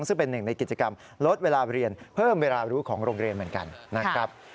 ซึ่งเป็นหนึ่งในกิจกรรมลดเวลาเรียนเพิ่มเวลารู้ของโรงเรียนเหมือนกันนะครับ